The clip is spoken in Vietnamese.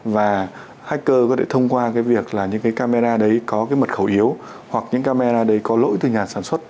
và hacker có thể thông qua cái việc là những cái camera đấy có cái mật khẩu yếu hoặc những camera đấy có lỗi từ nhà sản xuất